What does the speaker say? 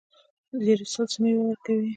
زیار ایستل څه مېوه ورکوي؟